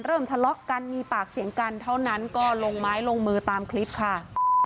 เริ่มทะเลาะกันมีปากเสียงกันเท่านั้นก็ลงไม้ลงมือตามคลิปค่ะ